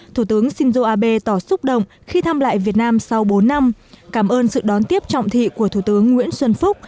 thủ tướng shinzo abe tỏ xúc động khi thăm lại việt nam sau bốn năm cảm ơn sự đón tiếp trọng thị của thủ tướng nguyễn xuân phúc